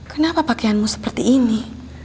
kenapa pakaianmu seperti ini